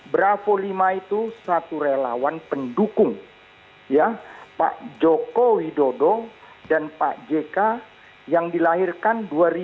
bravo lima itu satu relawan pendukung pak joko widodo dan pak jk yang dilahirkan dua ribu dua puluh